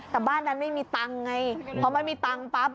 แต่บ้านนั้นไม่มีตังค์ไงเพราะไม่มีตังค์ปั๊บ